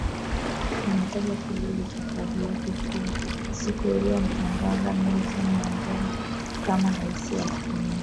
ametaja kilele cha kazi yake kuwa siku aliyomtangaza Nelson Mandela kama rais wa kwanza